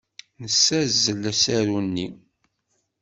Nessazzel asaru-nni.